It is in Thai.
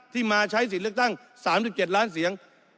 มาใช้สิทธิ์เลือกตั้ง๓๗ล้านเสียง